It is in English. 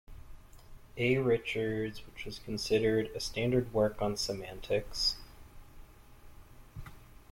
A. Richards, which was considered a standard work on semantics.